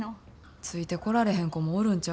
ついてこられへん子もおるんちゃうか？